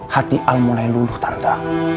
hati al mulai luluh tanda